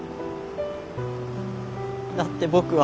だって僕は。